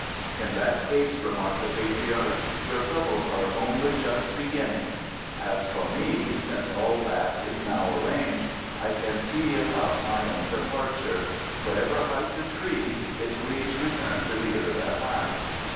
"In that case," remarked the patriarch, "your troubles are only just beginning. As for me, since all that is now arranged, I can see about my own departure 'Whatever height the tree, its leaves return to the earth at last.